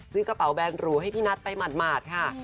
กระเป๋าแบนหรูให้พี่นัทไปหมาดค่ะ